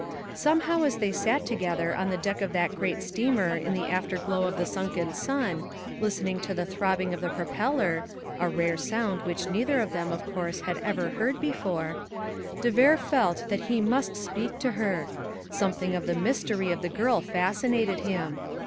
Somehow as they sat together on the deck of the great steamer in the afterglow of the sunken sun, listening to the throbbing of the propeller (a rare sound which neither of them of course had ever heard before), de Vere felt that he must speak to her. Something of the mystery of the girl fascinated him.